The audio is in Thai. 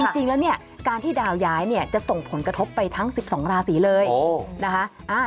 จริงแล้วเนี่ยการที่ดาวย้ายเนี่ยจะส่งผลกระทบไปทั้ง๑๒ราศีเลยนะคะ